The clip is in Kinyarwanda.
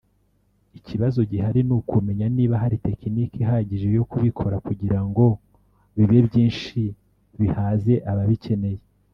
Ikibazo gihari ni ukumenya niba hari tekiniki ihagije yo kubikora kugirango bibe byinshi bihaze ababikeneye